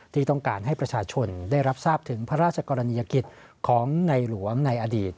ที่ต้องการให้ประชาชนได้รับทราบถึงพระราชกรณียกิจของในหลวงในอดีต